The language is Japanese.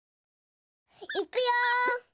いくよ！